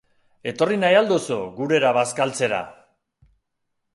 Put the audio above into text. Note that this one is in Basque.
Etorri nahi al duzu gurera bazkaltzera?